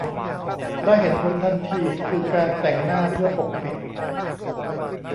และเห็นผลทันทีคือการแต่งหน้าเพื่อปกปิด